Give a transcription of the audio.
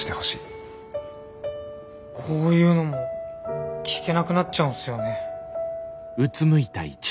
こういうのも聞けなくなっちゃうんすよね。